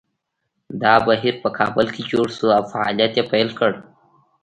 دا بهیر په کابل کې جوړ شو او فعالیت یې پیل کړ